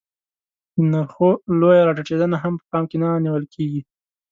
د نرخو لویه راټیټېدنه هم په پام کې نه نیول کېږي